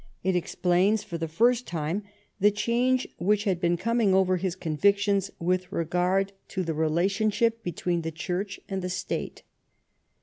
It explains for the first time the change which had been coming over his convictions with regard to the relationship between the Church and the State.